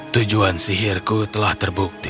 tujuan sihirku telah terbukti